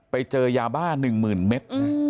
ไปเจอยาบ้านหนึ่งหมื่นเม็ด